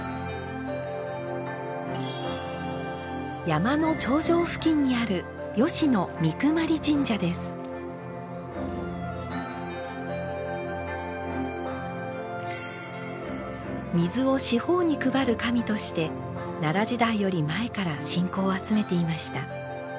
山の頂上付近にある水を四方に配る神として奈良時代より前から信仰を集めていました。